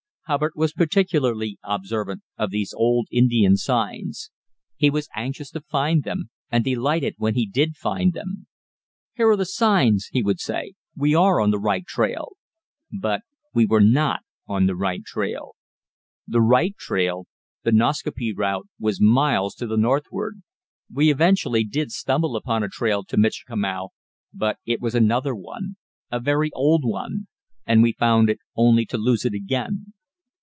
Hubbard was particularly observant of these old Indian signs. He was anxious to find them, and delighted when he did find them. "Here are the signs," he would say, "we are on the right trail." But we were not on the right trail. The right trail the Nascaupee route was miles to the northward. We eventually did stumble upon a trail to Michikamau, but it was another one a very old one and we found it only to lose it again.